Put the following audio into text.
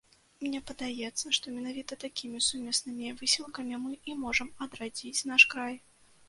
Мне падаецца, што менавіта такімі сумеснымі высілкамі мы і можам адрадзіць наш край.